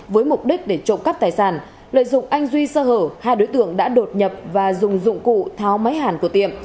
với mục đích để trộm cắp tài sản lợi dụng anh duy sơ hở hai đối tượng đã đột nhập và dùng dụng cụ tháo máy hàn của tiệm